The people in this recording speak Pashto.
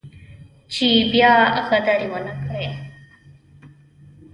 چې بيا غداري ونه کړي.